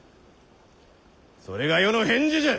それが余の返事じゃ！